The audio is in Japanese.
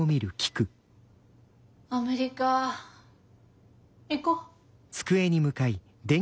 アメリカ行こ。